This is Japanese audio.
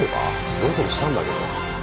すごいことしたんだけど。